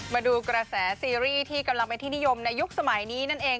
มาดูกระแสซีรีส์ที่กำลังเป็นที่นิยมในยุคสมัยนี้นั่นเอง